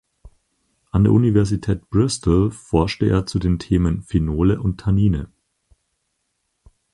An der Universität Bristol forschte er zu den Themen Phenole und Tannine.